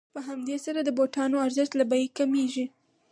په همدې سره د بوټانو ارزښت له بیې کمېږي